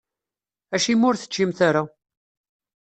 Acimi ur teččimt ara?